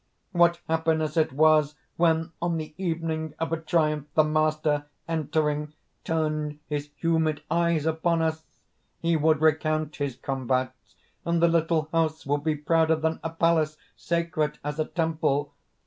"What happiness it was, when on the evening of a triumph, the master, entering, turned his humid eyes upon us! He would recount his combats; and the little house would be prouder than a palace; sacred as a temple!